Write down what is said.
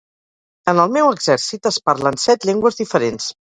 En el meu exèrcit es parlen set llengües diferents.